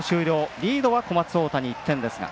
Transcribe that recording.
リードは小松大谷、１点です。